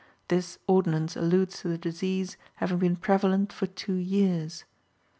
This ordinance alludes to the disease having been prevalent for two years.